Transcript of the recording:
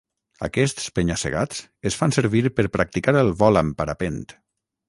Aquests penya-segats es fan servir per practicar el vol amb parapent.